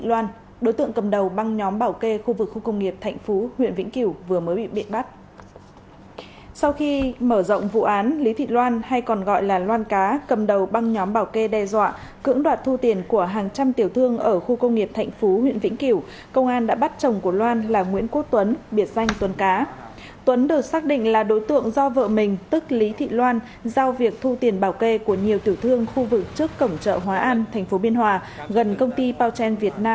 các bạn hãy đăng ký kênh để ủng hộ kênh của chúng mình nhé